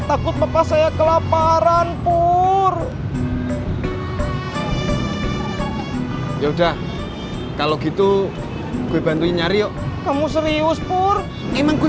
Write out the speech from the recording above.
takut papa saya kelaparan pur ya udah kalau gitu gue bantuin nyari kamu serius pur emang gue